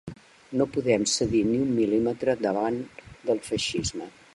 No podem cedir ni un mil·límetre davant del feixisme.